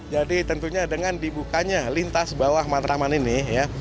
jadi tentunya dengan dibukanya lintas bawah matraman ini